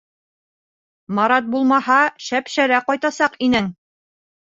Марат булмаһа шәп-шәрә ҡайтасаҡ инең!